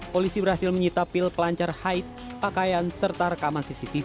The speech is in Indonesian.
polisi berhasil menyita pil pelancar haid pakaian serta rekaman cctv